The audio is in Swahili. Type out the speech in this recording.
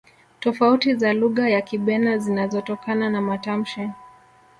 tofauti za lugha ya kibena zinazotokana na matamshi